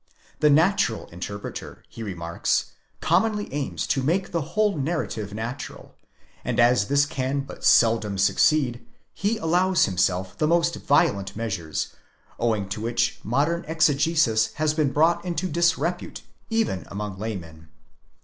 'The natural interpreter, he remarks, commonly aims to make the whole narrative natural; and as this can but seldom succeed, he allows himself the most violent measures, owing to which modern exegesis has been brought into disrepute even amongst laymen.